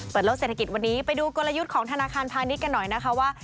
โลกเศรษฐกิจวันนี้ไปดูกลยุทธ์ของธนาคารพาณิชย์กันหน่อยนะคะว่า